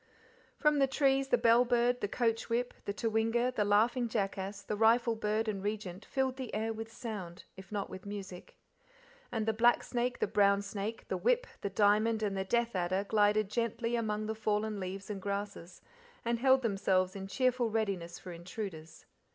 From the trees the bell bird, the coach whip, the tewinga, the laughing jackass, the rifle bird and regent, filled the air with sound, if not with music. And the black snake, the brown snake, the whip, the diamond, and the death adder glided gently among the fallen leaves and grasses, and held themselves in cheerful readiness for intruders.